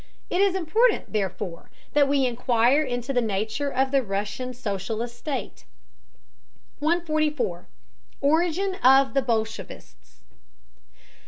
It is important, therefore, that we inquire into the nature of the Russian socialist state. 144. ORIGIN OF THE BOLSHEVISTS.